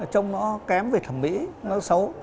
trông nó kém về thẩm mỹ nó xấu